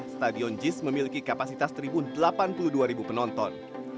stadion jis memiliki kapasitas tribun delapan puluh dua penonton